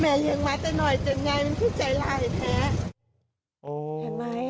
แม่ยังมาแต่หน่อยจนยังไม่พิจารณาแห่งแม่